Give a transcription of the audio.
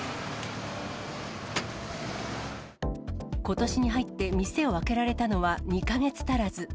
ことしに入って、店を開けられたのは２か月足らず。